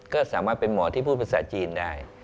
ก็สามารถเป็นหมอที่พูดภาษาจีนได้